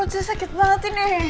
perutnya sakit banget ini